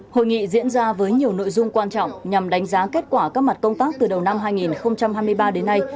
hội nghị diễn ra với nhiều nội dung quan trọng nhằm đánh giá kết quả các mặt công tác từ đầu năm hai nghìn hai mươi ba đến nay